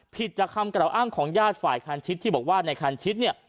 จากคำกล่าวอ้างของญาติฝ่ายคันชิดที่บอกว่าในคันชิดเนี่ย